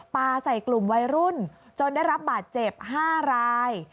ปลาใส่กลุ่มวัยรุ่นจนได้รับบาดเจ็บ๕ราย